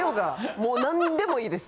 もう何でもいいです。